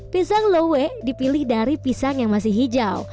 pisang lowe dipilih dari pisang yang masih hijau